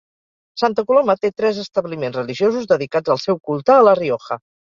Santa Coloma té tres establiments religiosos dedicats al seu culte a La Rioja.